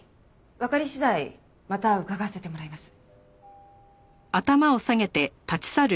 わかり次第また伺わせてもらいます。